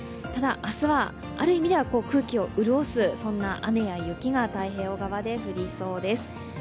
ただ、明日はある意味では空気を潤す雨や雪が太平洋側で降りそうです。